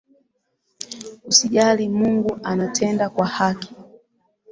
Usijali Mungu anatenda kwa haki